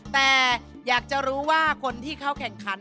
แต่อยากจะรู้ว่าคนที่เข้าแข่งขัน